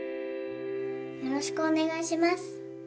よろしくお願いします